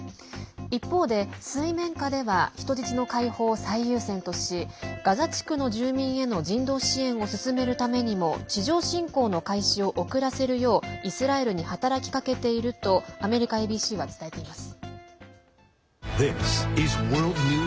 一方で水面下では人質の解放を最優先としガザ地区の住民への人道支援を進めるためにも地上侵攻の開始を遅らせるようイスラエルに働きかけているとアメリカＡＢＣは伝えています。